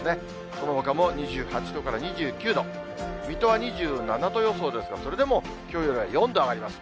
そのほかも２８度から２９度、水戸は２７度予想ですが、それでもきょうよりは４度上がります。